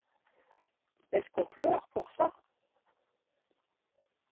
Est-ce qu'on pleure pour ça?